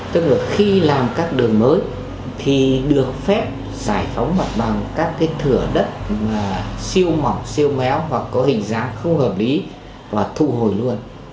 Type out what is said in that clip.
tức là khi làm các đường mới thì được phép giải phóng mặt bằng các cái thửa đất mà siêu mỏng siêu méo hoặc có hình dáng không hợp lý và thu hồi luôn